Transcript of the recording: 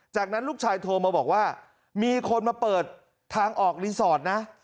จากนั้นลูกชายโทรมาบอกว่ามีคนมาเปิดทางออกรีสอร์ทนะ